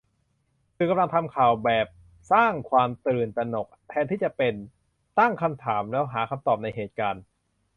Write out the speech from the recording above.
สื่อกำลังทำข่าวแบบ " !" สร้างความตื่นตระหนก แทนที่จะเป็น " ?" ตั้งคำถามแล้วหาคำตอบในเหตุการณ์